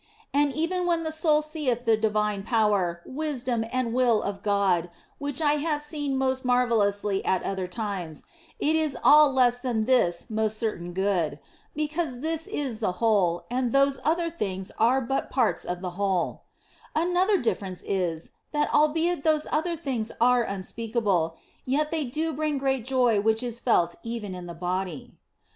And even when the soul seeth the divine power, wisdom, and will of God (which I have seen most marvellously at other times), it is all less than this most certain Good. Because this is the whole, and those other things are but part of the whole. Another difference is, that albeit those other things are unspeakable, yet they do bring great joy which is felt even in the body.